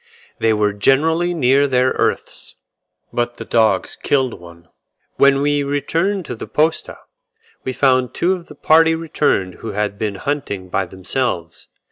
They were generally near their earths, but the dogs killed one. When we returned to the posta, we found two of the party returned who had been hunting by themselves.